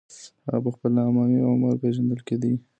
هغه په خپل نامې او عمر پېژندل کېدی.